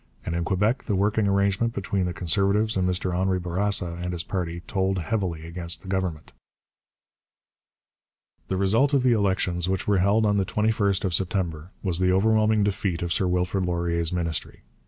And in Quebec the working arrangement between the Conservatives and Mr Henri Bourassa and his party told heavily against the Government. The result of the elections, which were held on the 21st of September, was the overwhelming defeat of Sir Wilfrid Laurier's Ministry.